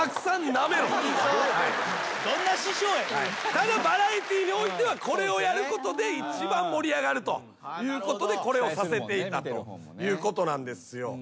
ただバラエティーにおいてはこれをやることで一番盛り上がるということでこれをさせていたということなんですよ。